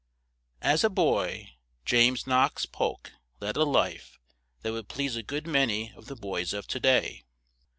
As a boy James Knox Polk led a life that would please a good ma ny of the boys of to day.